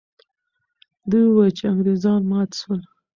دوی وویل چې انګریزان مات سول.